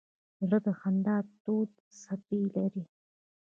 زړه د خندا تودې څپې لري.